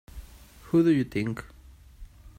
Who do you think?